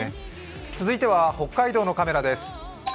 続いては北海道のカメラです。